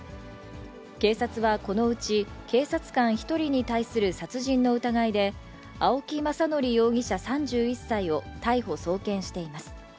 警察はこのうち、警察官１人に対する殺人の疑いで、青木政憲容疑者３１歳を逮捕・送検しています。